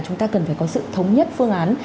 chúng ta cần phải có sự thống nhất phương án